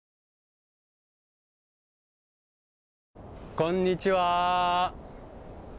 こんにちは。